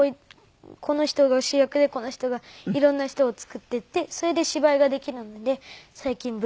この人が主役でこの人が色んな人を作っていってそれで芝居ができるので最近文楽でやっています。